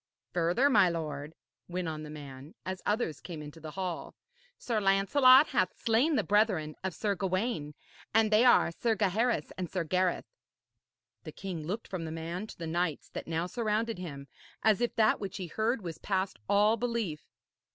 'Further, my lord,' went on the man, as others came into the hall, 'Sir Lancelot hath slain the brethren of Sir Gawaine, and they are Sir Gaheris and Sir Gareth.' The king looked from the man to the knights that now surrounded him, as if that which he heard was past all belief.